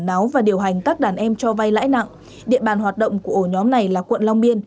náu và điều hành các đàn em cho vay lãi nặng địa bàn hoạt động của ổ nhóm này là quận long biên